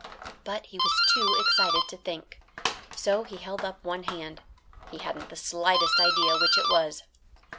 But he was too excited to think. So he held up one hand; he hadn't the slightest idea which it was.